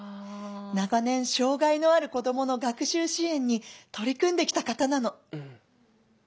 長年障害のある子どもの学習支援に取り組んできた方なの」。